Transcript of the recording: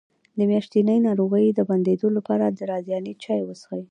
د میاشتنۍ ناروغۍ د بندیدو لپاره د رازیانې چای وڅښئ